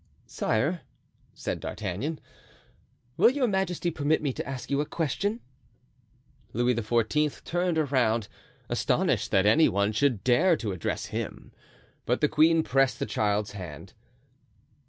"Sire," said D'Artagnan, "will your majesty permit me to ask you a question?" Louis XIV. turned around, astonished that any one should dare to address him. But the queen pressed the child's hand.